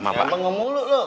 jangan mengumur dulu